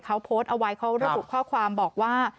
เขาโพสต์เอาไว้เขาระบุข้อความบอกว่า